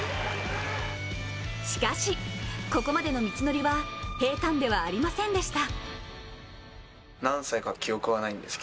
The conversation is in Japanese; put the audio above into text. しかし、ここまでの道のりは平坦ではありませんでした。